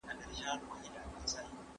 د احمد شاه ابدالي په پوځ کي کومې قبیلې وې؟